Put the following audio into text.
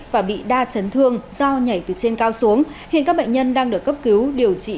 và bị đa chấn thương do nhảy từ trên cao xuống hiện các bệnh nhân đang được cấp cứu điều trị